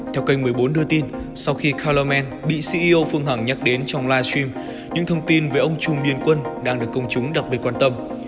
theo kênh một mươi bốn đưa tin sau khi color man bị ceo phương hằng nhắc đến trong livestream những thông tin về ông trùm điền quân đang được công chúng đặc biệt quan tâm